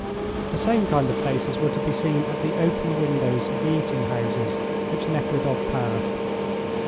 The same kind of faces were to be seen at the open, windows of the eating houses which Nekhludoff passed.